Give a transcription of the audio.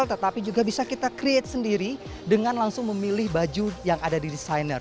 tetapi juga bisa kita create sendiri dengan langsung memilih baju yang ada di desainer